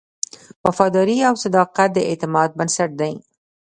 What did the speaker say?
وفاداري او صداقت د اعتماد بنسټ دی.